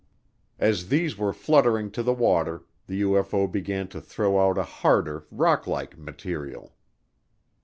As these were fluttering to the water, the UFO began to throw out a harder, rocklike material.